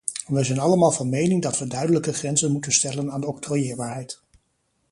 We zijn allemaal van mening dat we duidelijke grenzen moeten stellen aan octrooieerbaarheid.